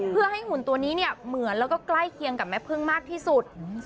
เพื่อให้หุ่นตัวนี้เนี่ยเหมือนแล้วก็ใกล้เคียงกับแม่พึ่งมากที่สุด